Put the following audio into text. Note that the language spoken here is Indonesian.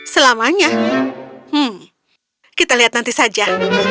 selamanya kita lihat nanti saja